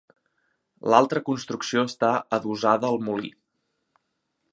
L'altra construcció està adossada al molí.